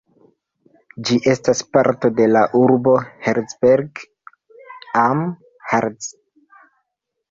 Ĝi estas parto de la urbo Herzberg am Harz.